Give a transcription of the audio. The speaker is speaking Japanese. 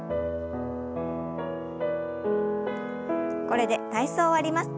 これで体操を終わります。